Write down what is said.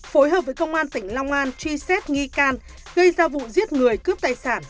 phối hợp với công an tỉnh long an truy xét nghi can gây ra vụ giết người cướp tài sản